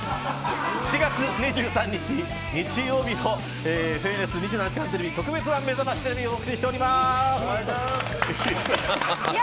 ７月２３日、日曜日ＦＮＳ２７時間テレビ特別版でお送りしております。